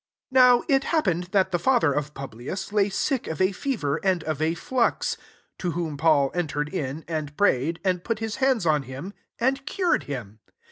8 Now it happened that the father of Publius lay sick of a fever, and of a fiux : to whom Paul entered in, and prayed, and put his hands on him, and cured him.